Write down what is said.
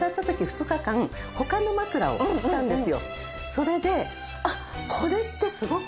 それで。